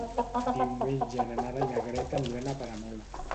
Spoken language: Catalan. Diumenge na Nara i na Greta aniran a Peramola.